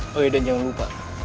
woi dan jangan lupa